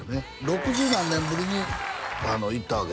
六十何年ぶりに行ったわけでしょ？